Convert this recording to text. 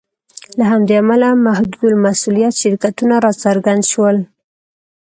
له همدې امله محدودالمسوولیت شرکتونه راڅرګند شول.